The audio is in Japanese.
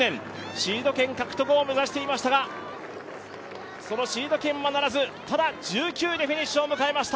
シード権獲得を目指していましたがそのシード権はならず、ただ１９位でフィニッシュを迎えました